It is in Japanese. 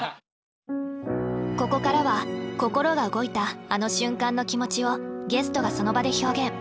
ここからは心が動いたあの瞬間の気持ちをゲストがその場で表現。